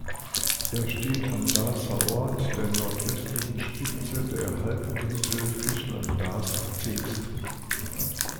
Er steht am Darßer Ort, der nordwestlichen Spitze der Halbinsel Fischland-Darß-Zingst.